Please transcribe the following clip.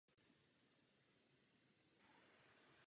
Tento dialog se uskutečnil.